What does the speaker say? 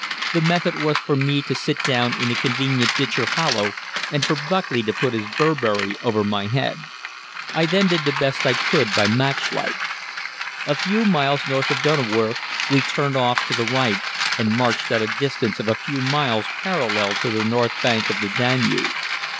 The method was for me to sit down in a convenient ditch or hollow, and for Buckley to put his Burberry over my head. I then did the best I could by match light. A few miles north of Donnauwörth we turned off to the right and marched at a distance of a few miles parallel to the north bank of the Danube.